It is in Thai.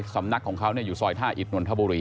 สำนักของเขาอยู่ซอยท่าอิดนนทบุรี